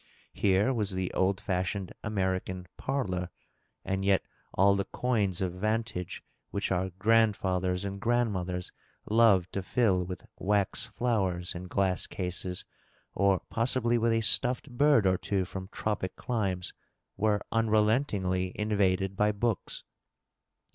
Here was the old fashioned American " parlor," and yet all the coignes of vantage which our grandfathers and grandmothers loved to fill with wax flowers in glass cases, or possibly with a stuffed bird or two from tropic climes, were unrelentingly invaded by books.